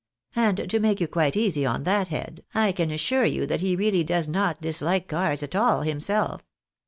And to make you quite easy on that head, I can assure you that he really does not dislike cards at all himself.